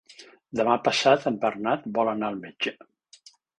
Demà passat en Bernat vol anar al metge.